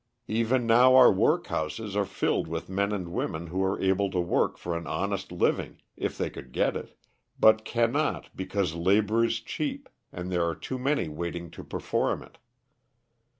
Even now our workhouses are filled with men and women who are able to work for an honest living if they could get it but cannot because labor is cheap, and there are too many waiting to perform it.